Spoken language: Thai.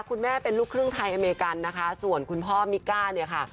คุณแม่เป็นลูกครึ่งไทยอเมริกันนะคะส่วนคุณพ่อมิก้าเนี่ยค่ะ